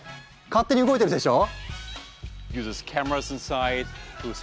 勝手に動いてるでしょ？